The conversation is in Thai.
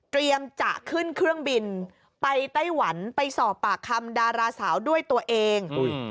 จะขึ้นเครื่องบินไปไต้หวันไปสอบปากคำดาราสาวด้วยตัวเอง